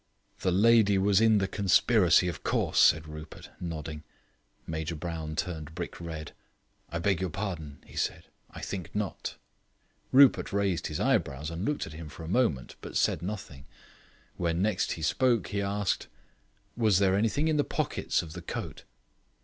"The lady was in the conspiracy, of course," said Rupert, nodding. Major Brown turned brick red. "I beg your pardon," he said, "I think not." Rupert raised his eyebrows and looked at him for a moment, but said nothing. When next he spoke he asked: "Was there anything in the pockets of the coat?"